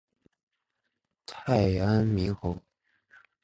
太安明侯